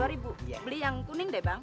rp dua beli yang kuning deh bang